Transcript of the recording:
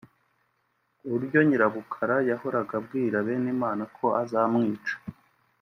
ku buryo Nyirabukara yahoraga abwira Benimana ko azamwica